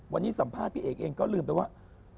วันนี้สัมภาษณ์พี่เอกเองก็ลืมไปว่า